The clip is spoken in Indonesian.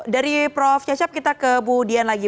dari prof cecep kita ke bu dian lagi